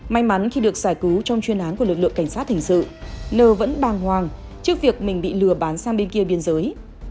may mắn khi được giải cứu trong chuyên án của lực lượng cảnh sát hình sự nơ vẫn bàng hoàng trước việc mình bị lừa bán sang bên kia biên giới